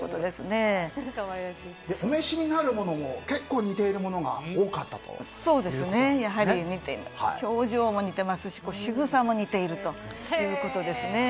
お召しになるものも結構似ているものがやはり表情も似ていますししぐさも似ているということですね。